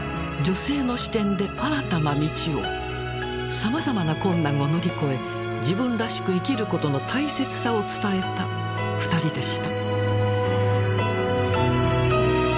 さまざまな困難を乗り越え自分らしく生きることの大切さを伝えた２人でした。